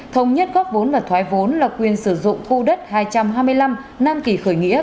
thống nhất góp vốn và thoái vốn là quyền sử dụng khu đất hai trăm hai mươi năm nam kỳ khởi nghĩa